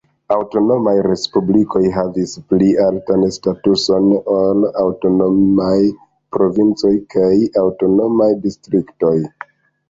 Aŭtonomaj respublikoj havis pli altan statuson ol aŭtonomaj provincoj kaj aŭtonomaj distriktoj.